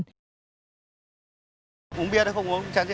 đây là dịp gì mà anh uống